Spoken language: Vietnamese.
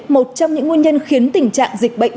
một trong những nguyên nhân khiến tình trạng dịch bệnh